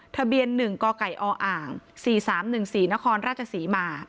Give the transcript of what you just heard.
ทะเบียน๑กไก่ออ๔๓๑๔นครราชศรีมา